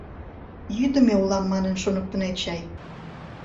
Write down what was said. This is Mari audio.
— Йӱдымӧ улам манын, шоныктынет чай?!